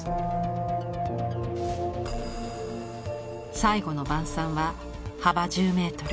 「最後の晩餐」は幅１０メートル